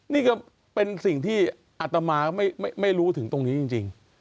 นี่ก็เป็นสิ่งที่อัตมาไม่รู้ถึงตรงนี้จริง